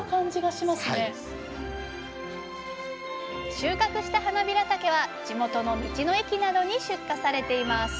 収穫したはなびらたけは地元の道の駅などに出荷されています。